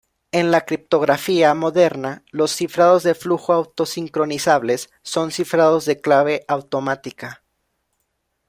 En la criptografía moderna, los cifrados de flujo auto-sincronizables son cifrados de clave automática.